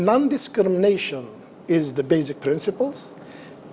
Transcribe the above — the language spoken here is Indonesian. non diskriminasi adalah prinsip asasnya